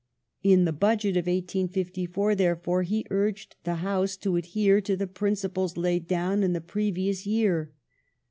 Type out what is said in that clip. In the Budget of 1854,^ therefore, he urged the House to adhere to the principles laid down in the previous year.